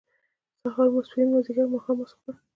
سهار ، ماسپښين، مازيګر، ماښام ، ماسخوتن